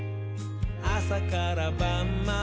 あさからばんまで」